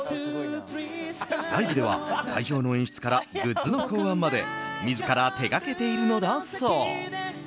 ライブでは会場の演出からグッズの考案まで自ら手掛けているのだそう。